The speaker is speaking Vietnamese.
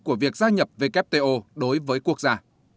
của việc gia nhập wto đối với quốc gia